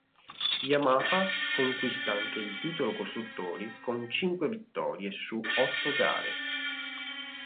Yamaha conquista anche il titolo costruttori con cinque vittorie su otto gare.